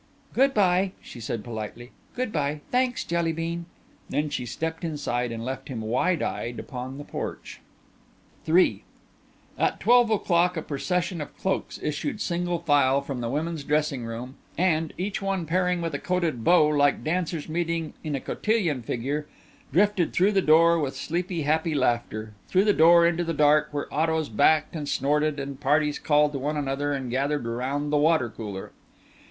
"Good bye," she said politely, "good bye. Thanks, Jelly bean." Then she stepped inside and left him wide eyed upon the porch. III At twelve o'clock a procession of cloaks issued single file from the women's dressing room and, each one pairing with a coated beau like dancers meeting in a cotillion figure, drifted through the door with sleepy happy laughter through the door into the dark where autos backed and snorted and parties called to one another and gathered around the water cooler.